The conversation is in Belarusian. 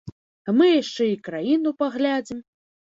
А мы яшчэ і краіну паглядзім!